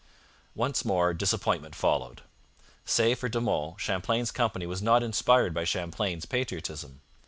Once more disappointment followed. Save for De Monts, Champlain's company was not inspired by Champlain's patriotism.